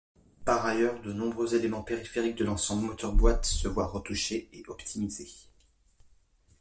Par ailleurs, de nombreux éléments périphériques de l’ensemble moteur-boîte se voient retouchés et optimisés.